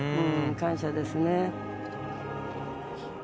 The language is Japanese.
感謝ですね。